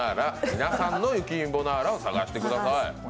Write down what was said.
皆さんの雪見ボナーラを探してください。